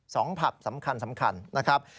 สองผับสำคัญนะครับ